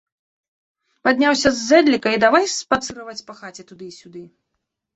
Падняўся з зэдліка і давай спацыраваць па хаце туды і сюды.